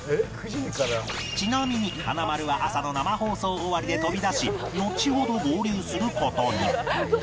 ちなみに華丸は朝の生放送終わりで飛び出しのちほど合流する事に